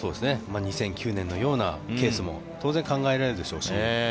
２００９年のようなケースも当然、考えられるでしょうし。